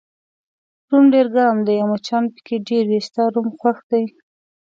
روم ډېر ګرم دی او مچان پکې ډېر وي، ستا روم خوښ دی؟